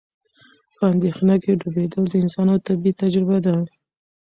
په اندېښنه کې ډوبېدل د انسانانو طبیعي تجربه ده.